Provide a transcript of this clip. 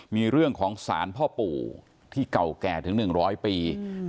มีเรื่องของสารพ่อปู่ที่เก่าแก่ถึง๑๐๐ปี